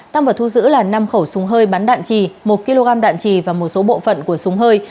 tăng vật thu giữ là năm khẩu súng hơi bắn đạn trì một kg đạn trì và một số bộ phận của súng hơi